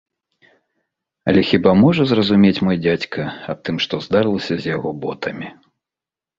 Але хіба можа зразумець мой дзядзька аб тым, што здарылася з яго ботамі?